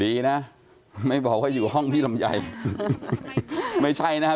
ดีนะไม่บอกว่าอยู่ห้องพี่ลำไยไม่ใช่นะฮะ